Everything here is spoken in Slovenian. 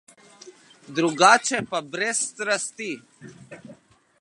Drugače pa brez strasti.